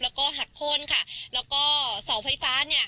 แล้วก็หักโค้นค่ะแล้วก็เสาไฟฟ้าเนี่ย